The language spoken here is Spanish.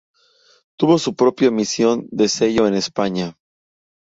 Tuvo su propia emisión de sello en España.